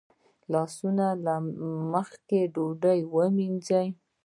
لاسونه مخکې له ډوډۍ ووینځئ